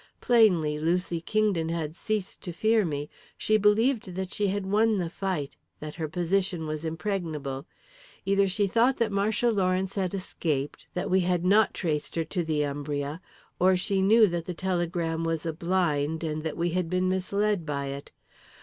Plainly, Lucy Kingdon had ceased to fear me. She believed that she had won the fight, that her position was impregnable. Either she thought that Marcia Lawrence had escaped, that we had not traced her to the Umbria, or she knew that the telegram was a blind, and that we had been misled by it.